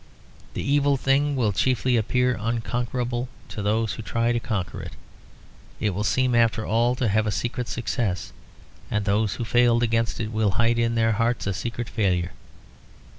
The evil thing will chiefly appear unconquerable to those who try to conquer it. It will seem after all to have a secret of success; and those who failed against it will hide in their hearts a secret of failure.